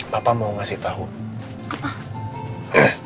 papa mau ngasih tahu apa